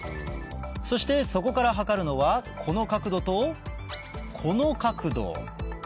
そしてそこから測るのはこの角度とこの角度